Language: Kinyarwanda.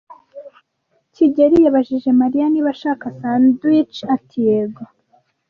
kigeli yabajije Mariya niba ashaka sandwich ati yego.